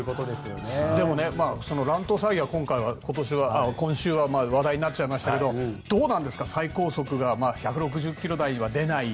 でも、乱闘騒ぎが今週は話題になりましたがどうなんですか、最高速が１６０キロ台は出ない。